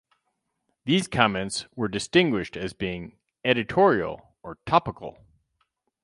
These comments were distinguished as being "editorial" or "topical".